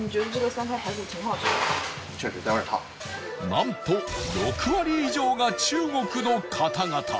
なんと６割以上が中国の方々